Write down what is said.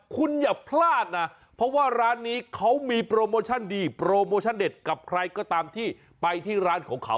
คุณอย่าพลาดนะเพราะว่าร้านนี้เขามีโปรโมชั่นดีโปรโมชั่นเด็ดกับใครก็ตามที่ไปที่ร้านของเขา